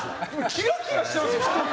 キラキラしてますよ、瞳。